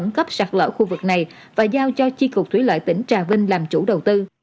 cấp sạt lở khu vực này và giao cho chi cục thủy lợi tỉnh trà vinh làm chủ đầu tư